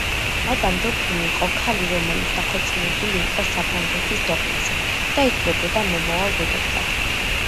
მადამ დოფინი იყო ქალი, რომელიც დაქორწინებული იყო საფრანგეთის დოფინზე და ითვლებოდა მომავალ დედოფლად.